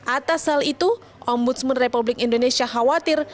atas hal itu ombudsman republik indonesia khawatir